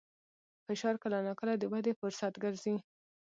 فشار کله ناکله د ودې فرصت ګرځي.